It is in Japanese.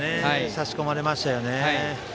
差し込まれましたよね。